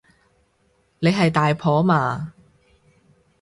你係大婆嘛